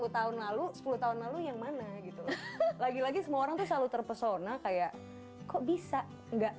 sepuluh tahun lalu sepuluh tahun lalu yang mana gitu lagi lagi semua orang tuh selalu terpesona kayak kok bisa enggak